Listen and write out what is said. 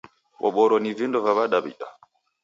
Boboro ni vindo va w'adaw'ida.